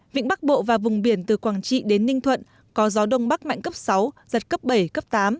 vĩnh bắc bộ và vùng biển từ quảng trị đến ninh thuận có gió đông bắc mạnh cấp sáu giật cấp bảy cấp tám